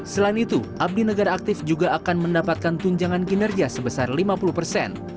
selain itu abdi negara aktif juga akan mendapatkan tunjangan kinerja sebesar lima puluh persen